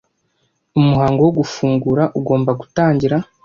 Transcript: umuhango wo gufungura ugomba gutangira